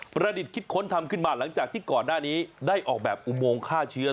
ประดิษฐ์คิดค้นทำขึ้นมาหลังจากที่ก่อนหน้านี้ได้ออกแบบอุโมงฆ่าเชื้อ